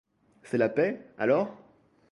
C'est la paix, alors?